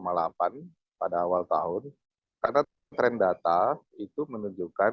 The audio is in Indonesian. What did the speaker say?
karena dari data yang telah kami menunjukkan